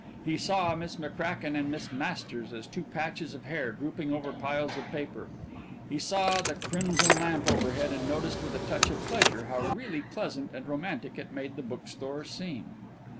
He saw Miss McCracken and Miss Masters as two patches of hair drooping over piles of paper; he saw the crimson lamp overhead, and noticed with a touch of pleasure how really pleasant and romantic it made the book store seem.